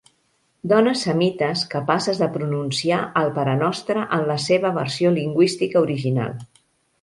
Dones semites capaces de pronunciar el parenostre en la seva versió lingüística original.